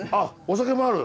酒もある！